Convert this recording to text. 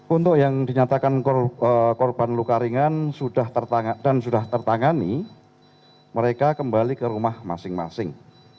untuk yang dinyatakan korban luka ringan dan sudah tertangani mereka kembali ke rumah masing masing